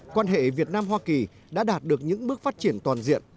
quan hệ việt nam hoa kỳ đã đạt được những bước phát triển toàn diện